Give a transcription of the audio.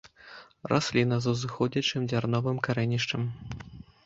Расліна з узыходзячым дзярновым карэнішчам.